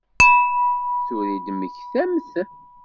Tura i d-temmektamt?